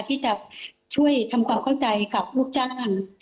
ที่จะช่วยทำความเข้าใจกับลูกจ้าง